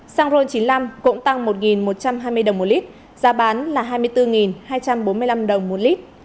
xăng ron chín mươi năm cũng tăng một một trăm hai mươi đồng một lít giá bán là hai mươi bốn hai trăm bốn mươi năm đồng một lít